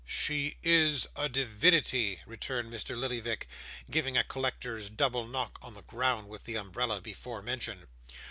'She is a divinity,' returned Mr. Lillyvick, giving a collector's double knock on the ground with the umbrella before mentioned.